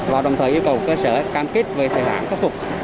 và đồng thời yêu cầu cơ sở cam kết về thời hạn khắc phục